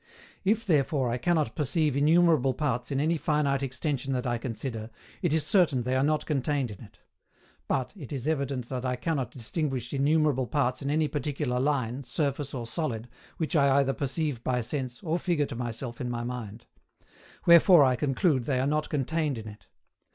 If, therefore, I cannot perceive innumerable parts in any finite extension that I consider, it is certain they are not contained in it; but, it is evident that I cannot distinguish innumerable parts in any particular line, surface, or solid, which I either perceive by sense, or figure to myself in my mind: wherefore I conclude they are not contained in it.